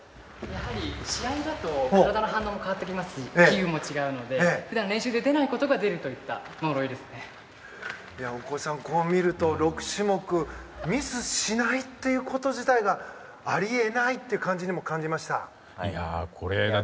やはり試合だと体の反応も変わってきますし気運も違うので普段、練習で出ないことが出るといったこう見ると、６種目ミスしないってこと自体があり得ない！って感じにも感じました。